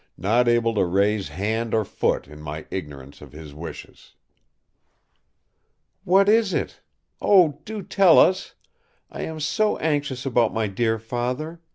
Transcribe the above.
Not able to raise hand or foot in my ignorance of his wishes!" "What is it? Oh, do tell us! I am so anxious about my dear Father!